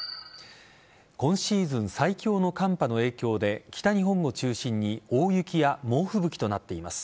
今シーズン最強の寒波の影響で北日本を中心に大雪や猛吹雪となっています。